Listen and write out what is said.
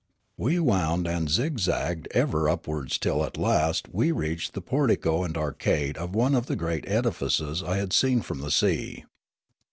We wound and zigzagged ever upwards till at last we reached the portico and arcade of one of the great edifices I had seen from the sea.